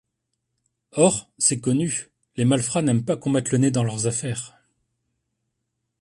Or, c'est connu, les malfrats n'aiment pas qu'on mette le nez dans leurs affaires.